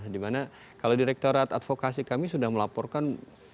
dimana kalau direktorat advokasi kami sudah melaporkan